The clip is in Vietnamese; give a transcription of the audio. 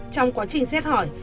trong quá trình xét hỏi